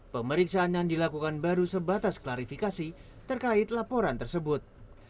pemeriksaan yang dilakukan baru sebatas klarifikasi terkait laporan tersebut